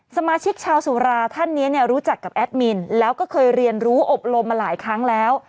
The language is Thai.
สมาชิกชาวสุราท่านนี้เนี่ยรู้จักกับแอดมินแล้วก็เคยเรียนรู้อบรมมาหลายครั้งแล้ว